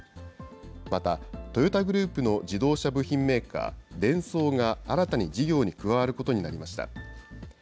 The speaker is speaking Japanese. また、トヨタグループの自動車部品メーカー、デンソーが新たに事業に加わることになりました。